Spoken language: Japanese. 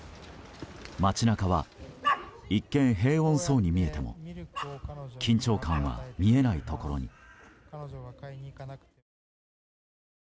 街中は一見平穏そうに見えても緊張感は見えないところに。